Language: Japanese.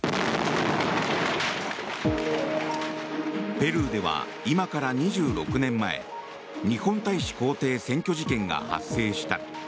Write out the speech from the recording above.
ペルーでは今から２６年前日本大使公邸占拠事件が発生した。